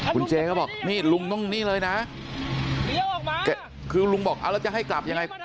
คุณเจก็บอกนี่ลุงต้องนี่เลยนะคือลุงบอกเอาแล้วจะให้กลับยังไง